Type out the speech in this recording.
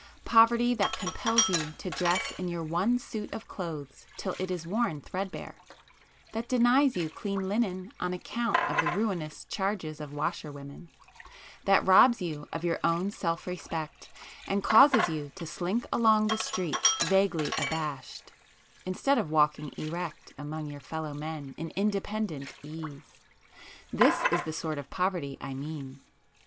Poverty that compels you to dress in your one suit of clothes till it is worn threadbare,—that denies you clean linen on account of the ruinous charges of washerwomen,—that robs you of your own self respect, and causes you to slink along the streets vaguely abashed, instead of walking erect among your fellow men in independent ease,—this is the sort of poverty I mean.